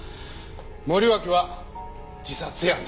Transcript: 森脇は自殺やない。